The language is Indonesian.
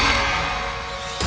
dia udah tidur